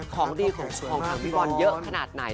ของดีของทางพี่บอลเยอะขนาดไหน